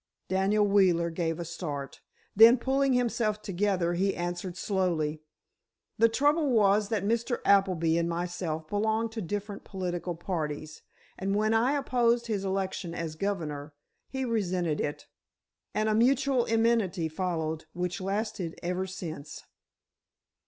Daniel Wheeler gave a start. Then, pulling himself together, he answered slowly: "The trouble was that Mr. Appleby and myself belonged to different political parties, and when I opposed his election as governor, he resented it, and a mutual enmity followed which lasted ever since."